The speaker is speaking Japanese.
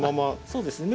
そうですね。